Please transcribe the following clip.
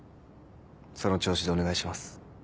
その調子でお願いします。